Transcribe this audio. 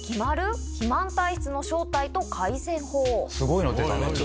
すごいの出たね。